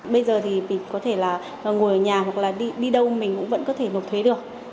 bây giờ thì có thể là ngồi ở nhà hoặc là đi đâu mình cũng vẫn có thể nộp thuế được